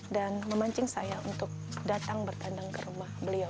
dan memancing saya untuk datang bertandang ke rumah beliau